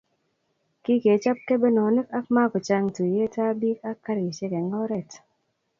Kikechob kebenonik ak makochang tuiyet ab bik ak karisiek eng oret